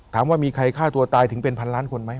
ถามว่ามีใครฆ่าตัวตายถึงเป็นพันล้านคนไหม